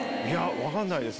分かんないです